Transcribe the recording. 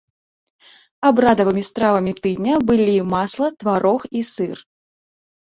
Абрадавымі стравамі тыдня былі масла, тварог і сыр.